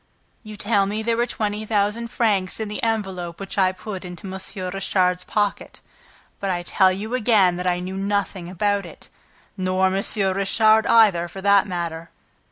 "You tell me there were twenty thousand francs in the envelope which I put into M. Richard's pocket; but I tell you again that I knew nothing about it ... Nor M. Richard either, for that matter!"